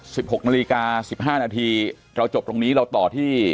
หกนาฬิกาสิบห้านาทีเราจบตรงนี้เราต่อที่